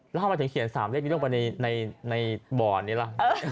แล้วทำไมถึงเขียน๓เลขนี้ลงไปในบ่อนี้ล่ะ